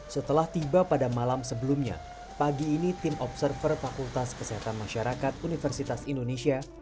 setelah tiba pada malam sebelumnya pagi ini tim observer fakultas kesehatan masyarakat universitas indonesia